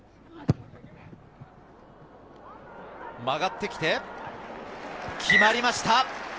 曲がってきて決まりました。